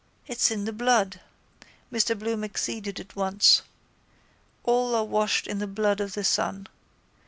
—It's in the blood, Mr Bloom acceded at once. All are washed in the blood of the sun.